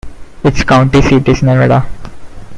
Its county seat is Nevada.